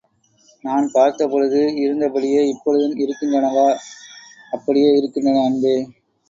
நான் பார்த்தபொழுது இருந்தபடியே இப்பொழுதும் இருக்கின்றனவா? அப்படியே இருக்கின்றன அன்பே!